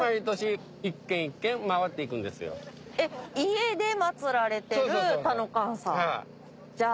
家で祭られてる田の神さぁ？